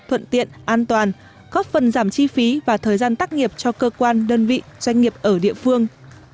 viện an toàn góp phần giảm chi phí và thời gian tắc nghiệp cho cơ quan đơn vị doanh nghiệp ở địa phương